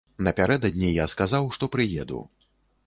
Напярэдадні я сказаў, што прыеду.